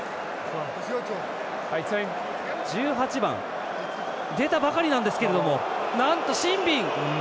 １８番出たばかりなんですけれどもなんとシンビン！